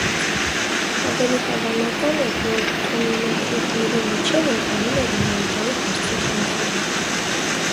Ավելի հավանական էր, որ թոմմինոքերների մեջ ընթանում էր էներգիայի հարցի խնդիրը։